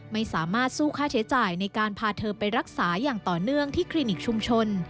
ไม่สามารถสู้ค่าใช้จ่ายในการพาเธอไปรักษาอย่างต่อเนื่องที่คลินิกชุมชน